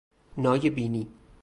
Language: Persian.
نای بینی